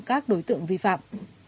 các đối tượng vi phạm